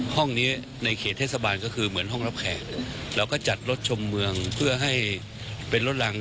ห้องนี้ในเขตเทศบาลก็คือเหมือนห้องรับแขกเราก็จัดรถชมเมืองเพื่อให้เป็นรถรัง